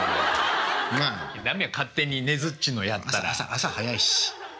朝早いし！